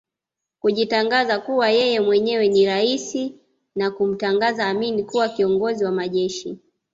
kujitangaza kuwa yeye mwenyewe ni raisi na kumtangaza Amin kuwa Kiongozi wa Majeshi